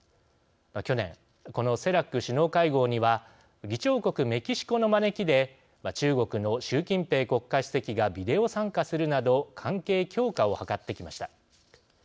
去年このＣＥＬＡＣ首脳会合には議長国メキシコの招きで中国の習近平国家主席がビデオ参加するなど関係強化を図ってきました。